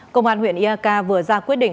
công an huyện iak vừa ra quyết định